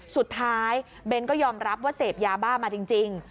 สุดท้ายเบนส์ก็ยอมรับว่าเสพยาบ้ามาจริง